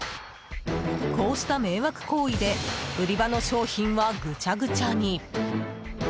こうした迷惑行為で売り場の商品はぐちゃぐちゃに。